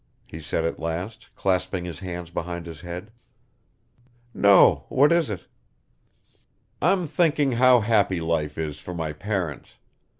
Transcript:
he said at last, clasping his hands behind his head. "No. What is it?" "I'm thinking how happy life is for my parents!